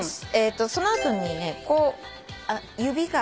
その後にね指が。